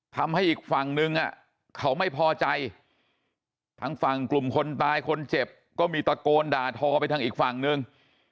ทำให้อีกฝั่งนึงเขาไม่พอใจทางฝั่งกลุ่มคนตายคนเจ็บก็มีตะโกนด่าทอไปทางอีกฝั่งนึง